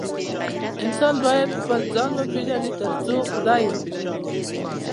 انسان بايد خپل ځان وپيژني تر څو خداي وپيژني